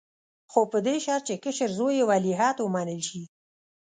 خو په دې شرط چې کشر زوی یې ولیعهد ومنل شي.